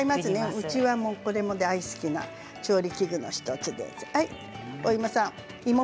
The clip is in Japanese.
うちの大好きな調理器具の１つです。